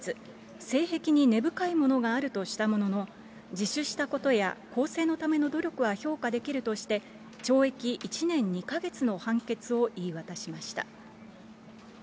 性癖に根深いものがあるとしたものの、自首したことや更生のための努力は評価できるとして、懲役１年２か月の判決を言い渡しました。